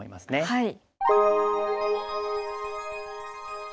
はい。